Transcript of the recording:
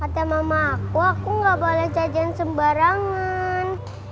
ada mama aku aku nggak boleh jajan sembarangan